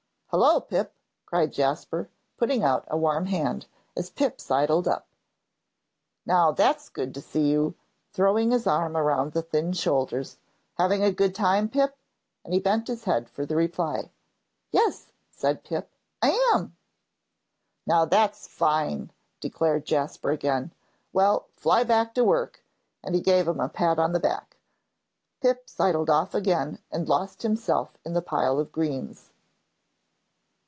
"Hullo, Pip!" cried Jasper, putting out a warm hand, as Pip sidled up, "now that's good to see you," throwing his arm around the thin shoulders. "Having a good time, Pip?" and he bent his head for the reply. "Yes," said Pip, "I am." "Now that's fine," declared Jasper, again. "Well, fly back to work," and he gave him a pat on the back. Pip sidled off again and lost himself in the pile of greens.